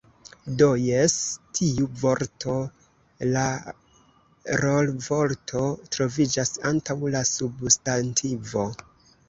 Do jes. Tiu vorto, la rolvorto troviĝas antaŭ la substantivo